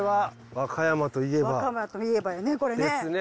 和歌山といえばよねこれね。ですね。